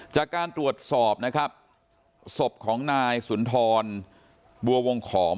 จากการตรวจสอบนะครับศพของนายสุนทรบัววงขอม